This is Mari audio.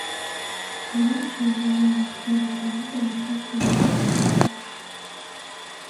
Адакше, манам, йӧратыметым эртак шынден кондыштат.